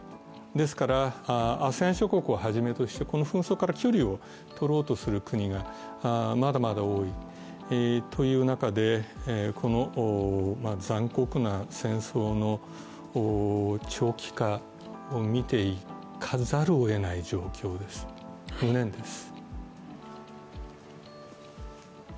ですから、ＡＳＥＡＮ諸国をはじめとしてこの紛争から距離をとろうとする国がまだまだ多いという中で、この残酷な戦争の長期化をみていかざるをえない状況です、無念です。